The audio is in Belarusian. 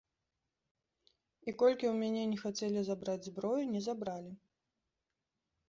І колькі ў мяне ні хацелі забраць зброю, не забралі.